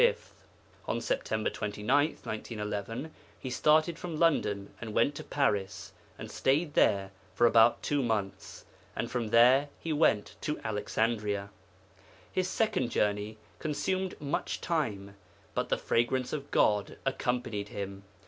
On Sept. 29, 1911, He started from London and went to Paris and stayed there for about two months, and from there He went to Alexandria. His second journey consumed much time, but the fragrance of God accompanied Him.